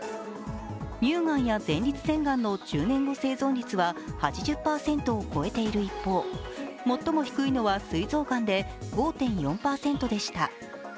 乳がんや前立腺がんの１０年後生存率は８０％を超えている一方最も低いのはすい臓がんで５．４％でした。